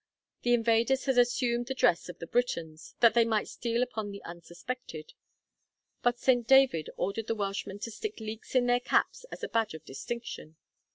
The invaders had assumed the dress of the Britons, that they might steal upon them unsuspected; but St. David ordered the Welshmen to stick leeks in their caps as a badge of distinction.